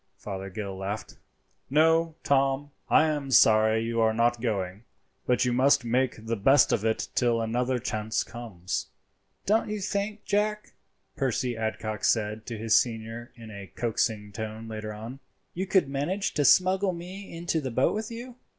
Fothergill laughed. "No, Tom, I am sorry you are not going, but you must make the best of it till another chance comes." "Don't you think, Jack," Percy Adcock said to his senior in a coaxing tone later on, "you could manage to smuggle me into the boat with you?"